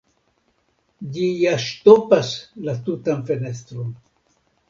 Ĝi ja ŝtopas la tutan fenestron.